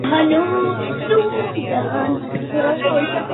ছক্কা খেয়ে ছাতু হয়ে যাওয়া বাবর নিজেই এবার হন্তারকের ভূমিকা নিলেন।